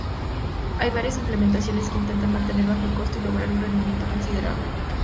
Hay varias implementaciones que intentan mantener bajo el costo y lograr un rendimiento considerable.